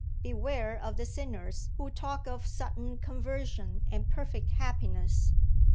Beware of the sinners who talk of sudden conversion and perfect happiness.